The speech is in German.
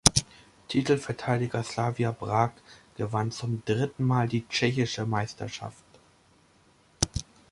Titelverteidiger Slavia Prag gewann zum dritten Mal die tschechische Meisterschaft.